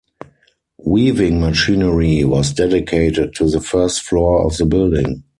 Weaving machinery was dedicated to the first floor of the building.